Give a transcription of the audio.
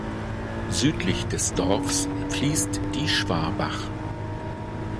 Südlich des Dorfs fließt die Schwabach.